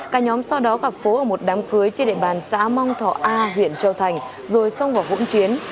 cả nhóm sau đó gặp phố ở một đám cưới trên địa bàn xã mong thọ a huyện châu thành rồi xông vào vũng chiến